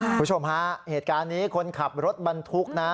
คุณผู้ชมฮะเหตุการณ์นี้คนขับรถบรรทุกนะ